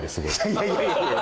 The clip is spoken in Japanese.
いやいやいやいや。